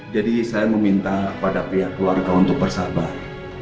jadi saya meminta pada pihak keluarga untuk bersabar